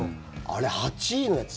あれ、８位のやつ